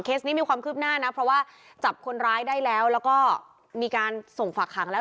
นี้มีความคืบหน้านะเพราะว่าจับคนร้ายได้แล้วแล้วก็มีการส่งฝากหางแล้ว